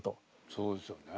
そうですよね。